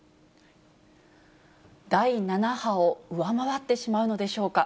第７波を上回ってしまうのでしょうか。